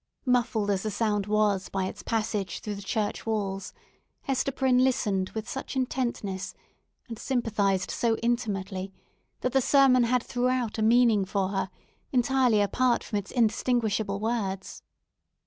Muffled as the sound was by its passage through the church walls, Hester Prynne listened with such intenseness, and sympathized so intimately, that the sermon had throughout a meaning for her, entirely apart from its indistinguishable words.